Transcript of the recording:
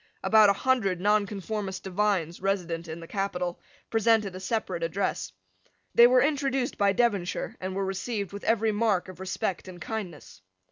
About a hundred Nonconformist divines, resident in the capital, presented a separate address. They were introduced by Devonshire, and were received with every mark of respect and kindness.